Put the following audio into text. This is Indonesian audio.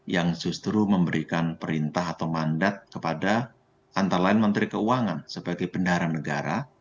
yang justru memberikan perintah atau mandat kepada antara lain menteri keuangan sebagai bendara negara